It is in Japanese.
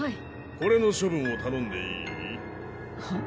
これの処分を頼んでいい？はっ？